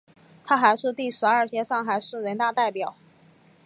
她还是第十二届上海市人大代表。